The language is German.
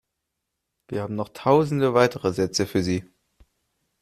Wir haben noch tausende weitere Sätze für Sie.